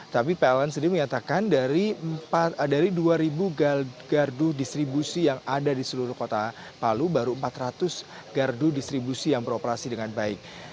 tapi pln sendiri menyatakan dari dua gardu distribusi yang ada di seluruh kota palu baru empat ratus gardu distribusi yang beroperasi dengan baik